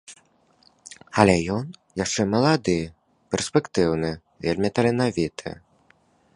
Але ён яшчэ малады, перспектыўны і вельмі таленавіты.